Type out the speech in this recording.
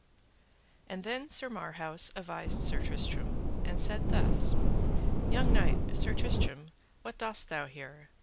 And then Sir Marhaus avised Sir Tristram, and said thus: Young knight, Sir Tristram, what dost thou here?